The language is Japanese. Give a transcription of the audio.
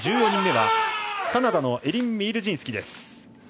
１４人目はカナダのエリン・ミールジンスキ。